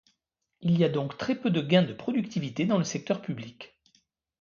Il y a donc très peu de gain de productivité dans le secteur public.